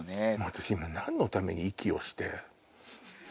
私今何のために息をして。